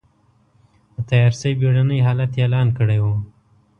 د تيارسۍ بېړنی حالت اعلان کړی و.